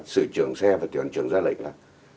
sử trưởng xe và tuyển trưởng ra lệnh là